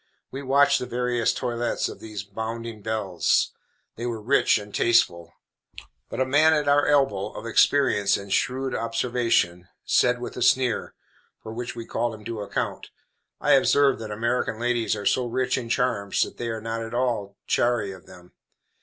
We watched the various toilettes of these bounding belles. They were rich and tasteful. But a man at our elbow, of experience and shrewd observation, said, with a sneer, for which we called him to account, "I observe that American ladies are so rich in charms that they are not at all chary of them.